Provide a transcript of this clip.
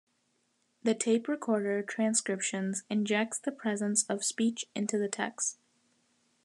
The tape recorder transcriptions injects the presence of speech into the text.